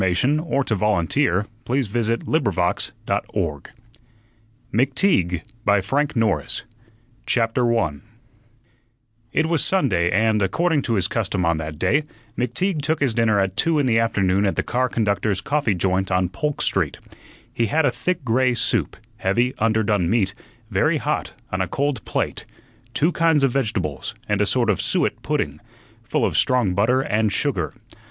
Iacono and David Widger McTEAGUE A Story of San Francisco by Frank Norris CHAPTER 1 It was Sunday, and, according to his custom on that day, McTeague took his dinner at two in the afternoon at the car conductors' coffee joint on Polk Street. He had a thick gray soup; heavy, underdone meat, very hot, on a cold plate; two kinds of vegetables; and a sort of suet pudding, full of strong butter and sugar.